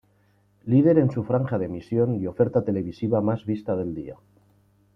Líder en su franja de emisión y oferta televisiva más vista del día.